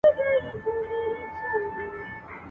چیري چي زور وي د جاهلانو ..